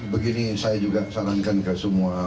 begini saya juga sarankan ke semua